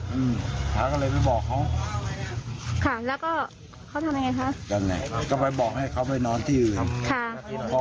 ผู้ภัยก็ช่วยประถมพยาบาลให้แต่สตศรันติศุกร์ก็คุมตัวไปก่อน